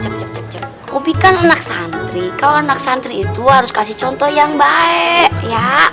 udah cep cep obi kan anak santri kau anak santri itu harus kasih contoh yang baik ya